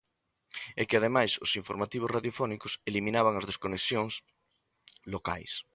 E que, ademais, os informativos radiofónicos eliminaban as desconexións locais.